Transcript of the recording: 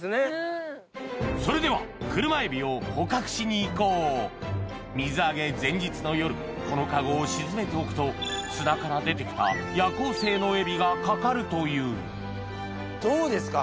それでは車エビを捕獲しに行こう水揚げ前日の夜このカゴを沈めておくと砂から出て来た夜行性のエビがかかるというどうですか？